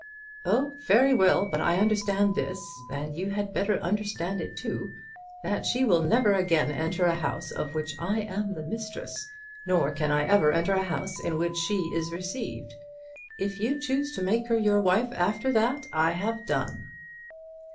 "Oh; very well. But I understand this, and you had better understand it too; that she will never again enter a house of which I am the mistress; nor can I ever enter a house in which she is received. If you choose to make her your wife after that, I have done."